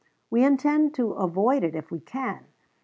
We intend to avoid it if we can.